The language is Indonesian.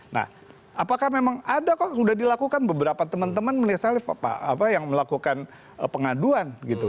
nah apakah memang ada kok sudah dilakukan beberapa teman teman misalnya yang melakukan pengaduan gitu